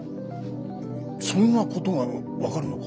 そんなことが分かるのか？